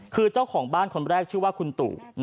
คือเจ้าของบ้านคนแรกชื่อว่าคุณตู่